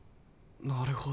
なるほど。